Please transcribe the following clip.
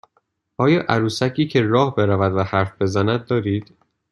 آیا عروسکی که راه برود و حرف بزند دارید؟